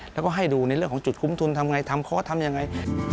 แล้วก็ให้ดูในเรื่องของจุดคุ้มทุนทำไงทำคอร์สทำยังไง